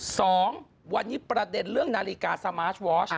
สองวันนี้ประเด็นเรื่องนาฬิกาสมาร์ทวอช